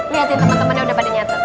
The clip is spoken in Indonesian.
lihatin temen temennya udah pada nyata